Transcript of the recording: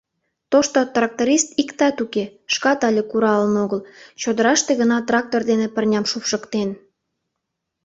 Тошто тракторист иктат уке, шкат але куралын огыл, чодыраште гына трактор дене пырням шупшыктен.